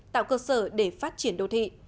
tạo cơ sở để phát triển đô thị